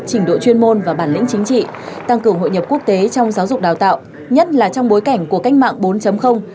trình độ chuyên môn và bản lĩnh chính trị tăng cường hội nhập quốc tế trong giáo dục đào tạo nhất là trong bối cảnh của cách mạng bốn